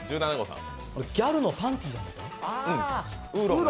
ギャルのパンティーじゃないか？